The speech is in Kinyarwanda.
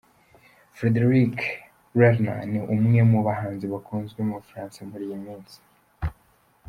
Frédéric Lerner ni umwe mu bahanzi bakunzwe mu bufaransa muri iyi minsi,.